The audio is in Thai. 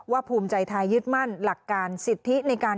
ภูมิใจไทยยึดมั่นหลักการสิทธิในการ